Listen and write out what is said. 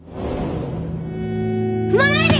踏まないで！